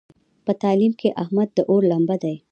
په تعلیم کې احمد د اور لمبه دی.